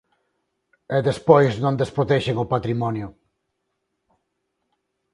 ¡E despois non desprotexen o patrimonio!